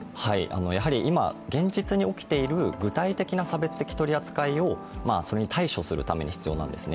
やはり今、現実に起きている具体的な取り扱いに対処するために必要なんですね。